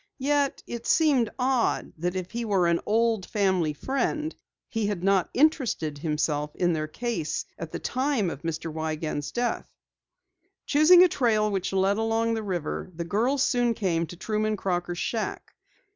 Yet, it seemed odd that if he were an old family friend he had not interested himself in their case at the time of Mr. Wiegand's death. Choosing a trail which led along the river, the girls soon came to Truman Crocker's shack.